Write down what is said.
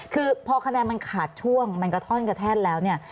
คือพอคะแนนมันขาดช่วงมันกระท่อนกระแท่นแล้วเนี่ย